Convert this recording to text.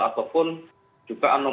ataupun juga anomali